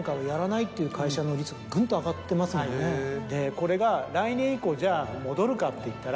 これが来年以降戻るかっていったら。